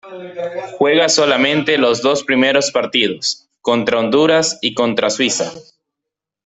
Juega solamente los dos primeros partidos, contra Honduras y contra Suiza.